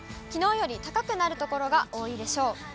きのうより高くなる所が多いでしょう。